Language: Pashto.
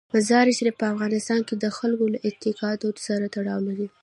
مزارشریف په افغانستان کې د خلکو له اعتقاداتو سره تړاو لري.